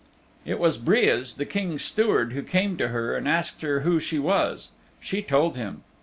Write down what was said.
It was Breas the King's Steward who came to her and asked her who she was. She told him.